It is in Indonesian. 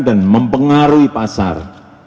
dan mempengaruhi pasar